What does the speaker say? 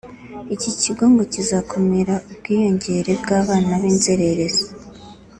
Iki kigo ngo kizakumira ubwiyongere bw’abana b’inzererezi